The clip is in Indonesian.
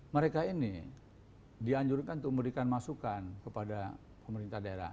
mereka ini dianjurkan untuk memberikan masukan kepada pemerintah daerah